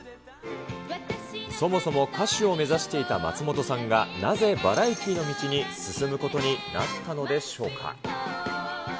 そもそも歌手を目指していた松本さんが、なぜバラエティの道に進むことになったのでしょうか。